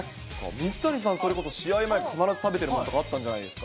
水谷さん、それこそ試合前必ず食べてるものとか、あったんじゃないですか？